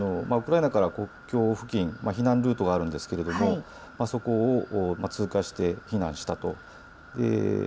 ウクライナから国境付近避難ルートがあるんですけどそこを通過して避難したと。